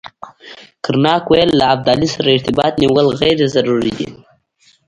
کرناک ویل له ابدالي سره ارتباط نیول غیر ضروري دي.